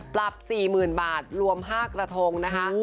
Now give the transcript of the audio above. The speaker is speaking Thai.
ปรับ๔๐๐๐บาทรวม๕กระทงนะคะ